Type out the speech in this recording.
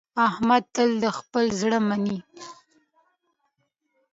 احمد تل د خپل زړه مني.